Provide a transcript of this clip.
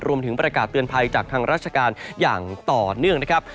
รวมถึงประกาศเตือนภัยจากทางราชการอย่างต่อเนื่องนะครับ